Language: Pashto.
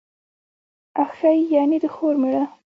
اخښی، يعني د خور مېړه.